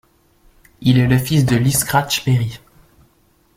Il est le fils de Lee Scratch Perry.